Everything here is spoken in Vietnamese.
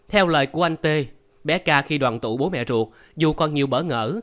theo lời của anh tê bé ca khi đoàn tụ bố mẹ ruột dù còn nhiều bỡ ngỡ